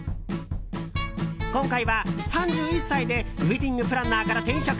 今回は、３１歳でウエディングプランナーから転職。